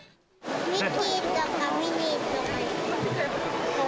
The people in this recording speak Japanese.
ミッキーとかミニーとかいた。